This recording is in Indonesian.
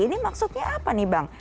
ini maksudnya apa nih bang